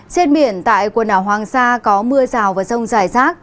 trên biển tại quần đảo hoàng sa có mưa rào và rông dài rác